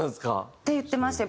って言ってましたよ。